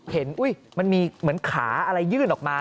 เห็นอุ๊ยมันมีเหมือนขาอะไรยื่นออกมา